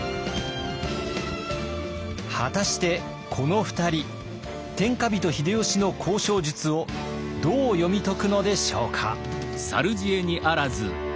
果たしてこの２人天下人秀吉の交渉術をどう読み解くのでしょうか？